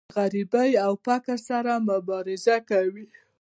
د غریبۍ او فقر سره مبارزه کوي.